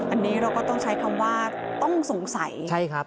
อันนี้เราก็ต้องใช้คำว่าต้องสงสัยใช่ครับ